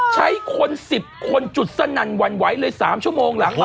ใช้คน๑๐คนจุดสนั่นหวั่นไหวเลย๓ชั่วโมงหลังมา